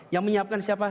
yang menyiapkan siapa